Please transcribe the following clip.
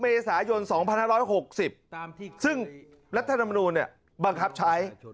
๖เมษายน๒๕๖๐ซึ่งรัฐธรรมนุษย์เนี่ยบังคับใช้